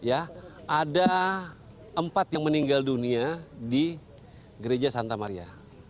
ada empat yang meninggal dunia di gereja santa maria